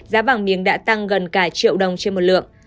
giá vàng miếng đã tăng gần cả triệu đồng trên một lượng